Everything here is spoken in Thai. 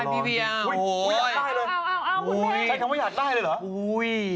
ใช้คำว่าอยากได้เลยเหรอ